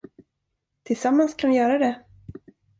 Tillsammans kan vi göra det.